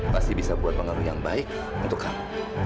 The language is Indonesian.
pasti bisa buat pengaruh yang baik untuk kamu